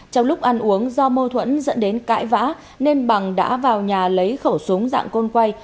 trong lúc ăn uống do mâu thuẫn dẫn đến cãi vã nên bằng đã vào nhà lấy khẩu súng dạng côn quay